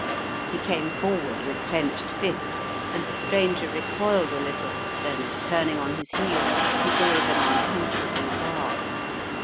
He came forward with clenched fist and the stranger recoiled a little, then, turning on his heel, he gave an uncomfortable laugh.